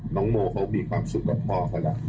น้องโมเขามีความสุขกับพ่อเขาแล้ว